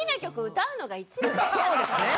そうですね。